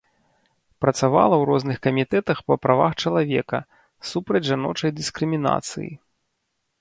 Працавала ў розных камітэтах па правах чалавека, супраць жаночай дыскрымінацыі.